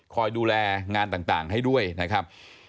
คอยดูแลงานต่างให้ด้วยนะครับ